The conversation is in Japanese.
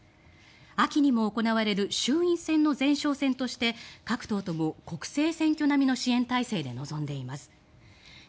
秋にも行われる衆院選の前哨戦として各党とも国政選挙並みの支援体制で臨んでいます。